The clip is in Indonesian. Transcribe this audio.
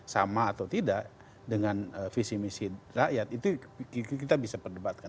sama atau tidak dengan visi misi rakyat itu kita bisa perdebatkan